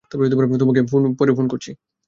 তোমাকে পরে ফোন করছি।